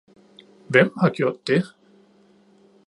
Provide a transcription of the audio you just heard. Hvem har gjort det?